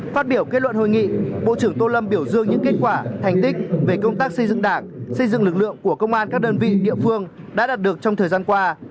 phát biểu kết luận hội nghị bộ trưởng tô lâm biểu dương những kết quả thành tích về công tác xây dựng đảng xây dựng lực lượng của công an các đơn vị địa phương đã đạt được trong thời gian qua